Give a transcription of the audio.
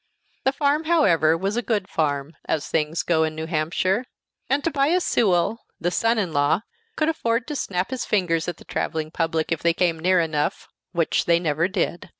The farm, however, was a good farm, as things go in New Hampshire, and Tobias Sewell, the son in law, could afford to snap his fingers at the traveling public if they came near enough which they never did.